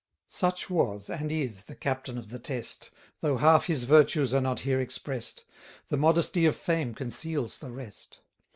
Such was, and is, the Captain of the Test, Though half his virtues are not here express'd; The modesty of fame conceals the rest.